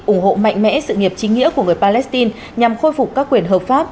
ủng hộ mạnh mẽ sự nghiệp chính nghĩa của người palestine nhằm khôi phục các quyền hợp pháp